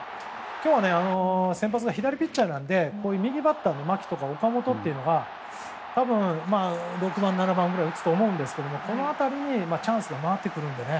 今日は先発が左ピッチャーなので右バッターの牧とか岡本が多分６番、７番ぐらいを打つと思うんですけどこの辺りにチャンスが回ってくるのでね